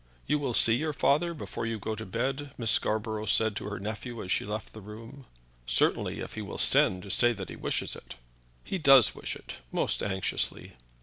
"You will see your father before you go to bed?" Miss Scarborough said to her nephew as she left the room. "Certainly, if he will send to say that he wishes it." "He does wish it, most anxiously."